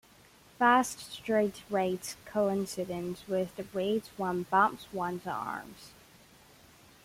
Fast stride rates coincide with the rate one pumps one's arms.